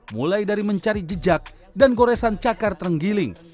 mulai dari mencari jejak dan goresan cakar terenggiling